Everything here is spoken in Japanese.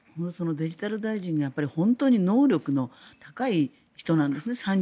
デジタル大臣が本当に能力の高い人なんですね。